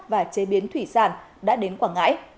và chế biến thủy sản đã đến quảng ngãi